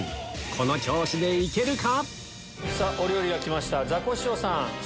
この調子でいけるか？